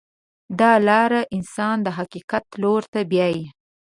دا لاره انسان د حقیقت لور ته بیایي.